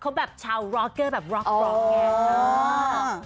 เขาแบบชาวร็อกเกอร์แบบร็อกร็อกแบบนี้